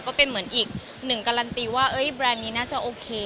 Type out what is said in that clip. ก็เป็นเหมือนอีกหนึ่งการันตีว่าแบรนด์นี้น่าจะโอเค